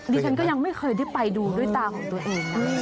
ดิฉันก็ยังไม่เคยได้ไปดูด้วยตาของตัวเองนะ